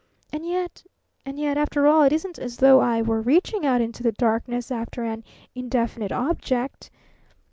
And yet, and yet after all, it isn't as though I were reaching out into the darkness after an indefinite object.